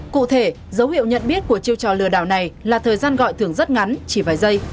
cụ thể dấu hiệu nhận biết của chiêu trò lừa đảo này là thời gian gọi thường rất ngắn chỉ vài giây